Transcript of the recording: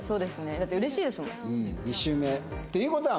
だって嬉しいですもん。